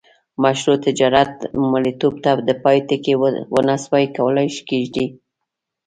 مشروع تجارت مریتوب ته د پای ټکی ونه سوای کولای کښيږدي.